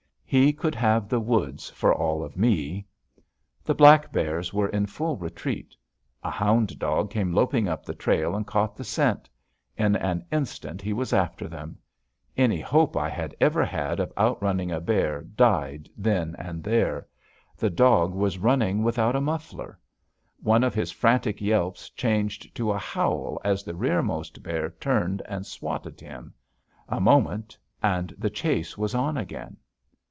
He could have the woods, for all of me. The black bears were in full retreat. A hound dog came loping up the trail and caught the scent. In an instant he was after them. Any hope I had ever had of outrunning a bear died then and there. The dog was running without a muffler. One of his frantic yelps changed to a howl as the rearmost bear turned and swatted him. A moment, and the chase was on again.